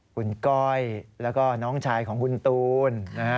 คุณก้อยแล้วก็น้องชายของคุณตูน